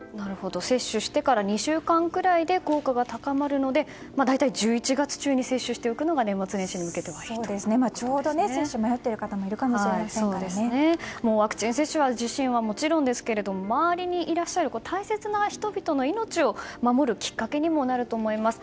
接種してから２週間くらいで効果が高まるので大体１１月中に接種しておくのが年末年始に向けてはちょうど接種を迷っている方もワクチン接種自身はもちろん、周りの大切な人々の命を守るきっかけにもなると思います。